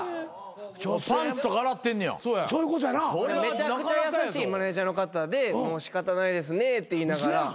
めちゃくちゃ優しいマネジャーの方で仕方ないですねって言いながら。